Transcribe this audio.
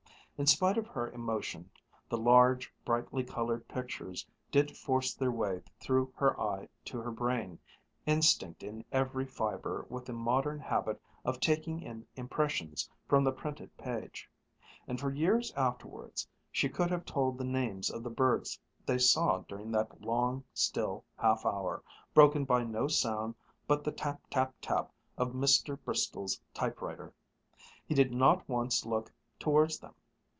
In spite of her emotion, the large, brightly colored pictures did force their way through her eye to her brain, instinct in every fiber with the modern habit of taking in impressions from the printed page; and for years afterwards she could have told the names of the birds they saw during that long, still half hour, broken by no sound but the tap tap tap of Mr. Bristol's typewriter. He did not once look towards them.